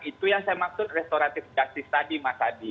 itu yang saya maksud restoratif justice tadi mas adi